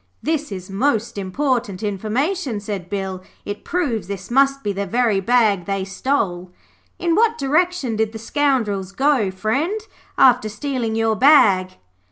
'This is most important information,' said Bill. 'It proves this must be the very bag they stole. In what direction did the scoundrels go, friend, after stealing your bag?'